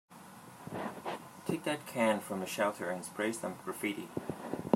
Take that can from the shelter and spray some graffiti.